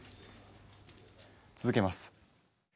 続けます。